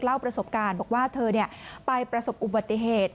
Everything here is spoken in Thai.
เล่าประสบการณ์บอกว่าเธอไปประสบอุบัติเหตุ